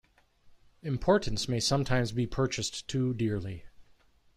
Importance may sometimes be purchased too dearly.